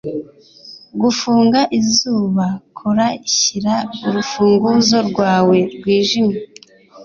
Gufunga izuba kora shyira urufunguzo rwawe rwijimye